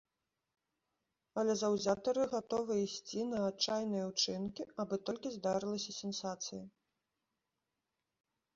Але заўзятары гатовыя ісці на адчайныя ўчынкі, абы толькі здарылася сенсацыя.